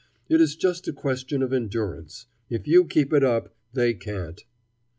It is just a question of endurance. If you keep it up, they can't.